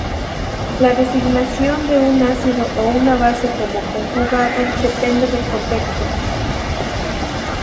La designación de un ácido o una base como "conjugado" depende del contexto.